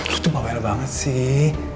lo tuh bawel banget sih